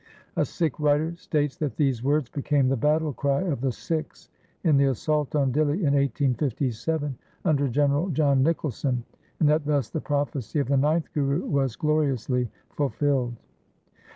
A Sikh writer states that these words became the battle cry of the Sikhs in the assault on Dihli in 1857 under General John Nicholson, and that thus the prophecy of the ninth Guru was gloriously fulfilled.